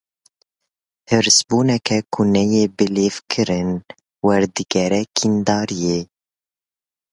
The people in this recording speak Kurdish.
Hêrsbûneke ku neyê bilêvkirin, werdigere kîndariyê.